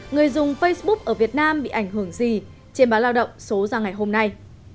người dùng facebook ở việt nam bị ảnh hưởng gì trên báo lao động số ra ngày hôm nay